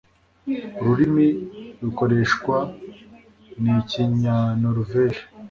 ururimi rukoreshwa ni ikinyanoruveje